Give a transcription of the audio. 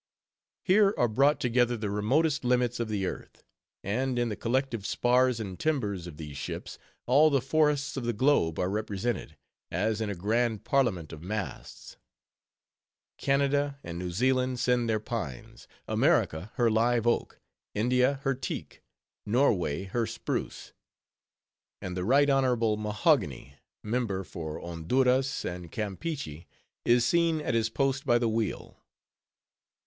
Here are brought together the remotest limits of the earth; and in the collective spars and timbers of these ships, all the forests of the globe are represented, as in a grand parliament of masts. Canada and New Zealand send their pines; America her live oak; India her teak; Norway her spruce; and the Right Honorable Mahogany, member for Honduras and Campeachy, is seen at his post by the wheel.